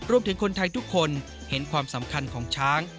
รวมถึงคนไทยทุกคนเห็นความสำคัญของช้าง